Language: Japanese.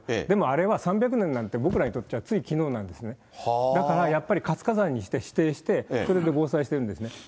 でもあれは３００年なんて、僕らにとってはついきのうなんですね、だからやっぱり活火山に指定して、それで防災してるんですね。